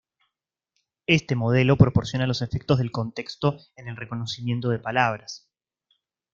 Este modelo proporciona los efecto del contexto en el reconocimiento de palabras.